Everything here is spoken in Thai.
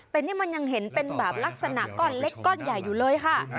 แต่นี่มันยังเห็นเป็นแบบลักษณะก้อนเล็กก้อนใหญ่อยู่เลยค่ะ